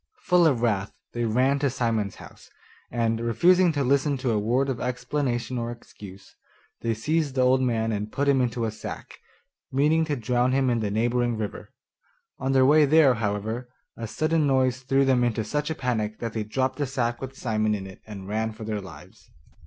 Full of wrath they ran to Simon's house, and, refusing to listen to a word of explanation or excuse, they seized the old man and put him into a sack, meaning to drown him in the neighbouring river. On their way there, however, a sudden noise threw them into such a panic that they dropped the sack with Simon in it and ran for their lives.